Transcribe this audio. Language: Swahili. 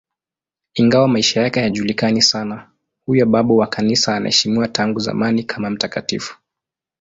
Ingawa maisha yake hayajulikani sana, huyo babu wa Kanisa anaheshimiwa tangu zamani kama mtakatifu.